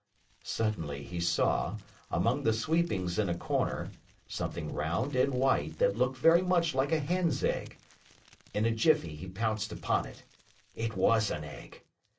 Suddenly, he saw, among the sweepings in a corner, something round and white that looked very much like a hen's egg. In a jiffy he pounced upon it. It was an egg.